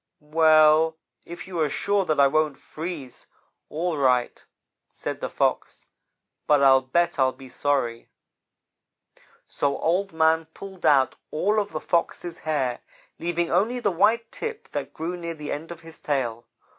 "'Well if you are sure that I won't freeze, all right,' said the Fox, 'but I'll bet I'll be sorry.' "So Old man pulled out all of the Fox's hair, leaving only the white tip that grew near the end of his tail.